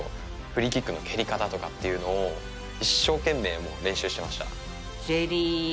フリーキックの蹴り方とかっていうのを一生懸命練習してました。